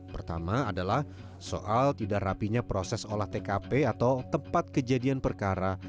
pertama adalah soal tidak rapinya proses olah tkp atau tempat kejadian perkara